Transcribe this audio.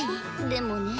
でもね